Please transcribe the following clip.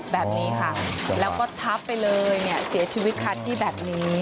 แบบนี้ค่ะแล้วก็ทับไปเลยเนี่ยเสียชีวิตคาที่แบบนี้